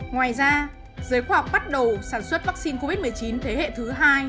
ngoài ra giới khoa học bắt đầu sản xuất vắc xin covid một mươi chín thế hệ thứ hai